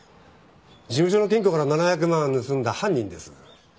事務所の金庫から７００万盗んだ犯人です。